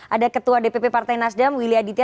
ada ketua dpp partai nasdem willy aditya